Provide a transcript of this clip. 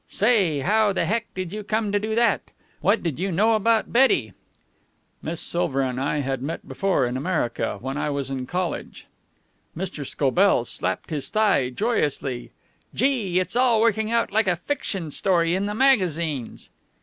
"Say, how the Heck did you come to do that? What did you know about Betty?" "Miss Silver and I had met before, in America, when I was in college." Mr. Scobell slapped his thigh joyously. "Gee, it's all working out like a fiction story in the magazines!"